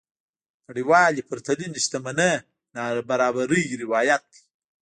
نړيوالې پرتلنې شتمنۍ نابرابرۍ روايت دي.